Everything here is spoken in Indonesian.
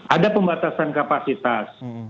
ada pembatasan kapasitas